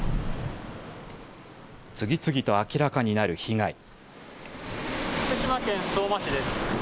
次々と明らかになる被害。